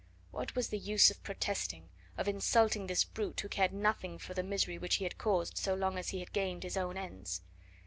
What was the use of protesting, of insulting this brute, who cared nothing for the misery which he had caused so long as he gained his own ends?